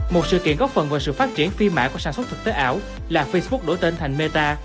một sự kiện góp phần vào sự phát triển phi mã của sản xuất thực tế ảo là facebook đổi tên thành meta